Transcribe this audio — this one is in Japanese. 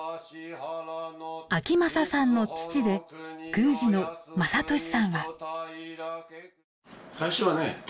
章匡さんの父で宮司の匡俊さんは。